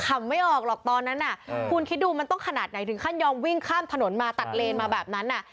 ไม่ออกหรอกตอนนั้นคุณคิดดูมันต้องขนาดไหนถึงขั้นยอมวิ่งข้ามถนนมาตัดเลนมาแบบนั้น